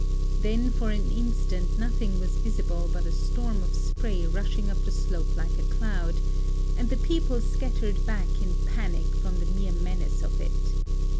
Then for an instant nothing was visible but a storm of spray rushing up the slope like a cloud ; and the people scattered back in panic from the mere menace of it.